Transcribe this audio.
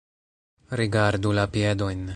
Rigardu la piedojn